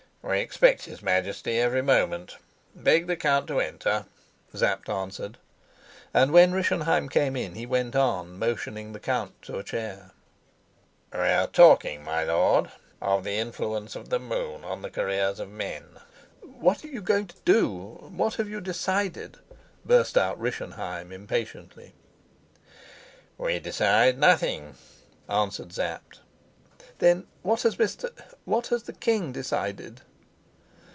"We expect his Majesty every moment. Beg the count to enter," Sapt answered; and, when Rischenheim came in, he went on, motioning the count to a chair: "We are talking, my lord, of the influence of the moon on the careers of men." "What are you going to do? What have you decided?" burst out Rischenheim impatiently. "We decide nothing," answered Sapt. "Then what has Mr. what has the king decided?"